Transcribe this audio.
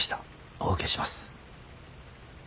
お受けします。